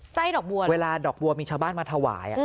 ดอกบัวเวลาดอกบัวมีชาวบ้านมาถวาย